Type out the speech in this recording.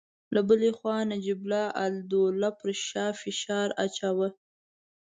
له بلې خوا نجیب الدوله پر شاه فشار اچاوه.